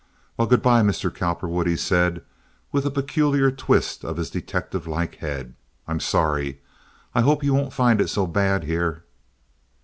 "Well, good by, Mr. Cowperwood," he said, with a peculiar twist of his detective like head. "I'm sorry. I hope you won't find it so bad here."